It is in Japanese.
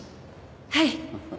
はい！